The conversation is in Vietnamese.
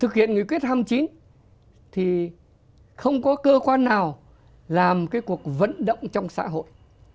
thực hiện người quyết hâm chính thì không có cơ quan nào làm cái cuộc vận động trong xã hội